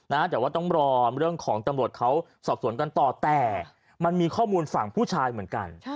แต่ว่าต้องรอเรื่องของตำรวจเขาสอบสวนกันต่อแต่มันมีข้อมูลฝั่งผู้ชายเหมือนกัน